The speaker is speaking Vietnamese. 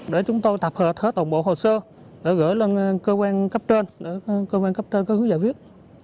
để chúng tôi tạp hợp hết tổng bộ hồ sơ để gửi lên cơ quan cấp trơn cơ quan cấp trơn cơ hứa giải viết